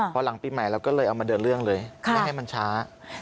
พอหลังปีใหม่เราก็เลยเอามาเดินเรื่องเลยไม่ให้มันช้า